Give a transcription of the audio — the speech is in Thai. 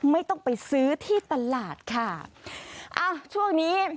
ไม่ต้องไปซื้อที่ตลาดค่ะอ้าวช่วงนี้